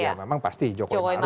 ya memang pasti jokowi maruf kan